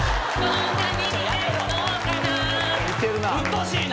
うっとうしいな！